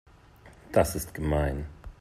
Das ist gemein.